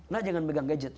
nah jangan megang gadget